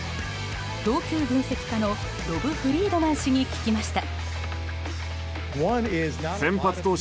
投球分析家のロブ・フリードマン氏に聞きました。